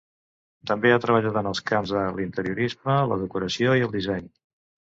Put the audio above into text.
També ha treballat en els camps de l'interiorisme, la decoració i el disseny.